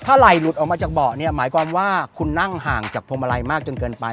ไหล่หลุดออกมาจากเบาะเนี่ยหมายความว่าคุณนั่งห่างจากพวงมาลัยมากจนเกินไป